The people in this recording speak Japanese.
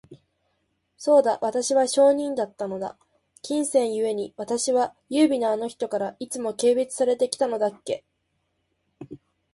そうだ、私は商人だったのだ。金銭ゆえに、私は優美なあの人から、いつも軽蔑されて来たのだっけ。